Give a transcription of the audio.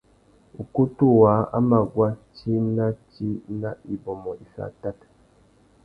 Ukutu waā a mà guá tsi nà tsi nà ibômô iffê atát.